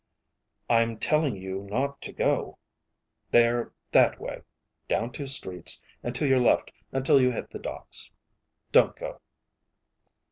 "I'm telling you not to go. They're that way, down two streets, and to your left until you hit the docks. Don't go."